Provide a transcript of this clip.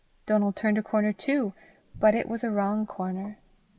Donal turned a corner too, but it was a wrong corner.